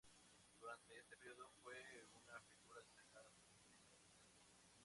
Durante este período fue una figura destacada en el reino.